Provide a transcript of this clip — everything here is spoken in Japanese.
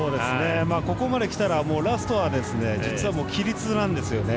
ここまできたらラストは実は規律なんですよね。